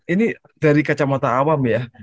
ini dari kacamata awam ya